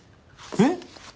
えっ？